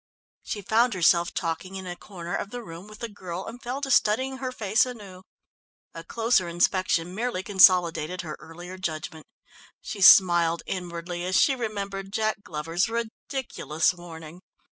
She found herself talking in a corner of the room with the girl, and fell to studying her face anew. A closer inspection merely consolidated her earlier judgment. She smiled inwardly as she remembered Jack Glover's ridiculous warning.